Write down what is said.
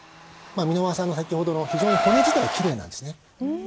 箕輪さんの先ほどの非常に骨自体はきれいなんですね。